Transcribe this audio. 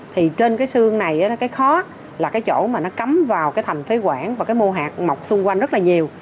thì trên cái xương này cái khó là cái chỗ mà nó cắm vào cái thành phế quản và cái mô hạt mọc xung quanh rất là nhiều